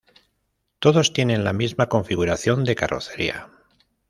Todos tienen la misma configuración de carrocería.